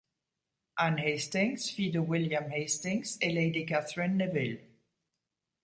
Anne Hastings, fille de William Hastings, et Lady Katherine Neville.